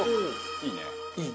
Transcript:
いいね。